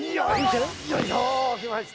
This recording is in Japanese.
よいしょ来ました